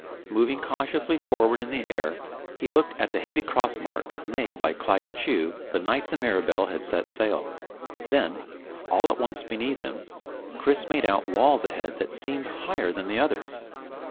Moving cautiously forward in the air, he looked at the heavy cross mark made by Claggett Chew the night the Mirabelle had set sail. Then, all at once beneath him, Chris made out walls ahead that seemed higher than the others.